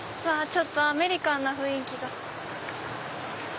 ちょっとアメリカンな雰囲気が。